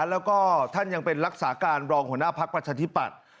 แล้วก็ท่านยังเป็นรักษาการรองหัวหน้าพักประชาธิปัตย์